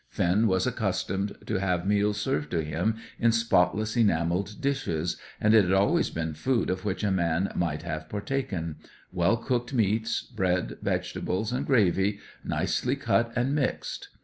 Finn was accustomed to have meals served to him in spotless enamelled dishes, and it had always been food of which a man might have partaken: well cooked meats, bread, vegetables, and gravy, nicely cut and mixed.